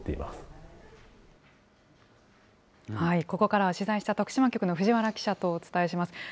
ここからは取材した徳島局の藤原記者とお伝えします。